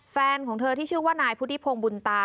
แฟนของเธอที่ชื่อว่านายพุทธิพงศ์บุญตา